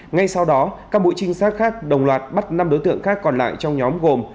ngay sau đó các mũi trinh sát khác đồng loạt bắt năm đối tượng khác còn lại trong nhóm gồm